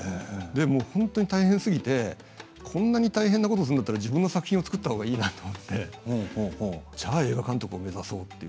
本当に大変すぎてこんなに大変なことをするんだったら自分の作品を作ったほうがいいなと思ってじゃあ映画監督を目指そうと。